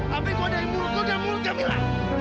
apa yang gue dari mulut lo dan mulut camilla